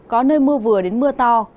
có nơi mưa vừa đến mưa to